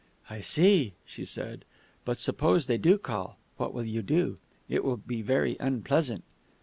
"I see," she said. "But suppose they do call, what will you do? It will be very unpleasant."